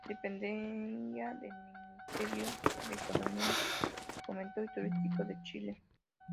Dependía del Ministerio de Economía, Fomento y Turismo de Chile.